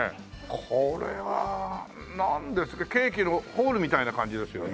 これはなんですかケーキのホールみたいな感じですよね。